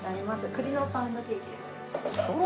栗のパウンドケーキでご用意しております。